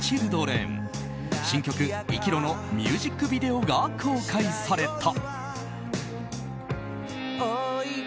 新曲「生きろ」のミュージックビデオが公開された。